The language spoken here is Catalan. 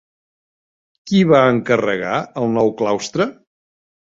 Qui va encarregar el nou claustre?